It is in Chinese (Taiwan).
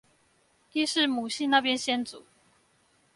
亦是母系那邊先祖